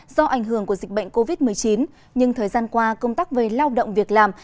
do ảnh hưởng của dịch bệnh covid một mươi chín nhưng thời gian qua công tác về lao động việc làm